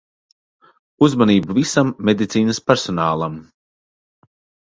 Uzmanību visam medicīnas personālam.